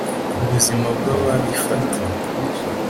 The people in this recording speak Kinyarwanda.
ku buzima bwa babifata?